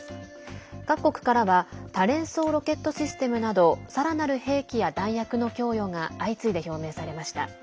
各国からは多連装ロケットシステムなどさらなる兵器や弾薬の供与が相次いで表明されました。